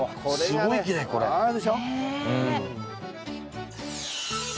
すごいきれいこれ。